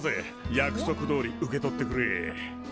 約束どおり受け取ってくれ。